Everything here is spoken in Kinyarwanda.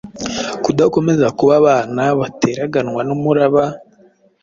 kudakomeza kuba abana, bateraganwa n’umuraba,